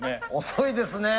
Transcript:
遅いですね。